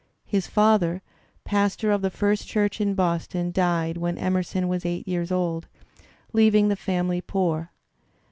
His father, pastor of the First Church in Boston, died when Emerson was eight years old, leaving the family poor.